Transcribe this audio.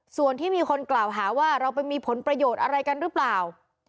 ส่วนที่มีคนกล่าวหาว่าเราไปมีผลประโยชน์อะไรกันหรือเปล่า